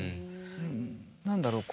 何だろう